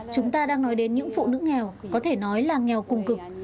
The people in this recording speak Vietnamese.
chúng ta đang nói đến những phụ nữ nghèo có thể nói là nghèo cùng cực